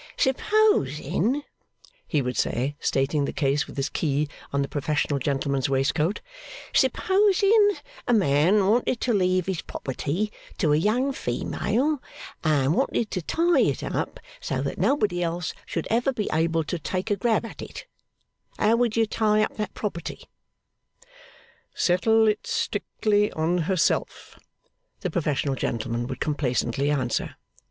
'Supposing,' he would say, stating the case with his key on the professional gentleman's waistcoat; 'supposing a man wanted to leave his property to a young female, and wanted to tie it up so that nobody else should ever be able to make a grab at it; how would you tie up that property?' 'Settle it strictly on herself,' the professional gentleman would complacently answer.